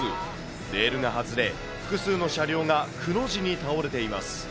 レールが外れ、複数の車両がくの字に倒れています。